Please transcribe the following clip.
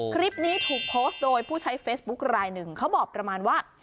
คลิปนี้ถูกโพสต์โดยผู้ใช้เฟซบุ๊คลายหนึ่งเขาบอกประมาณว่า